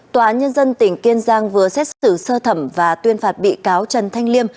tòa án nhân dân tỉnh kiên giang vừa xét xử sơ thẩm và tuyên phạt bị cáo trần thanh liêm